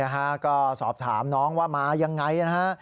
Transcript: นี่ครับก็สอบถามน้องว่ามาอย่างไรนะครับ